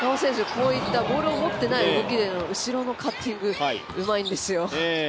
こういったボールを持っていない動きでの後ろのカッティングうまいんですよ。